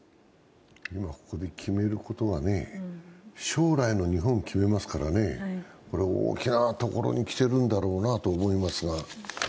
今ここで決めることは将来の日本を決めますから、大きなところに来てるんだろうなと思いますが。